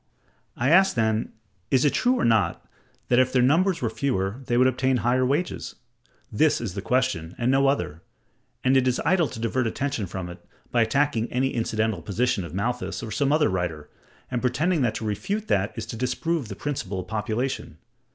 I ask, then, is it true or not, that if their numbers were fewer they would obtain higher wages? This is the question, and no other: and it is idle to divert attention from it, by attacking any incidental position of Malthus or some other writer, and pretending that to refute that is to disprove the principle of population.